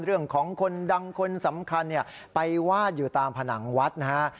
เรื่องของคนดังคนสำคัญไปวาดอยู่ตามผนังวัดนะฮะ